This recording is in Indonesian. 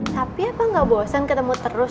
tapi apa gak bosen ketemu terus